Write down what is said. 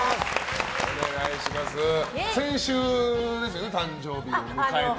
先週ですよね、誕生日を迎えてね。